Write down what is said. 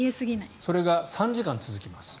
それが３時間続きます。